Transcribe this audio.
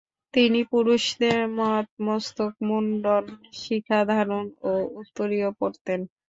তিনি পুরুষদের মত মস্তক মুন্ডন, শিখা ধারণ ও উত্তরীয় পরতেন।